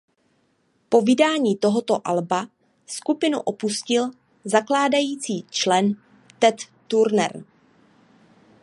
Po vydání tohoto alba skupinu opustil zakládající člen Ted Turner.